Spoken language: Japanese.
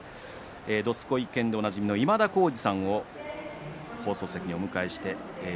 「どすこい研」でおなじみの今田耕司さんを放送席にお迎えします。